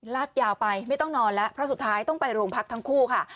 ลากยาวไปไม่ต้องนอนแล้วเพราะสุดท้ายต้องไปโรงพักทั้งคู่ค่ะ